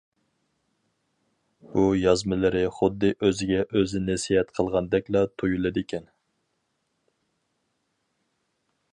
بۇ يازمىلىرى خۇددى ئۆزىگە ئۆزى نەسىھەت قىلغاندەكلا تۇيۇلىدىكەن.